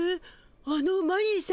あのマリーさん